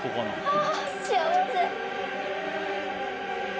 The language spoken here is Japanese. あ幸せ！